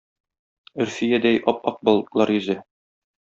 Өрфиядәй ап-ак болытлар йөзә